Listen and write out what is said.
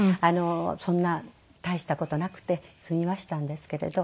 そんな大した事なくて済みましたんですけれど。